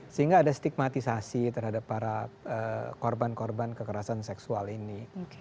sehingga ada stigmatisasi terhadap para korban korban kekerasan seksual ini